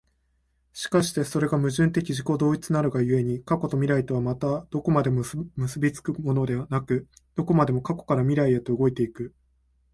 而してそれが矛盾的自己同一なるが故に、過去と未来とはまたどこまでも結び付くものでなく、どこまでも過去から未来へと動いて行く。